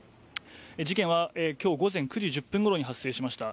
事件は今日午前９時１０分ごろに発生しました。